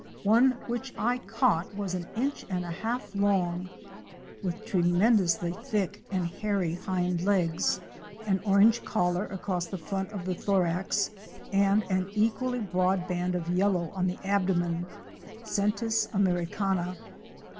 One which I caught was an inch and a half long with tremendously 344 OUR SEARCH FOR A WILDERNESS. thick and hairy hind legs, an orange collar across the front of the thorax and an equally broad band of yellow on the abdomen (Centis americana).